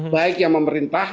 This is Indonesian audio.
baik yang memerintah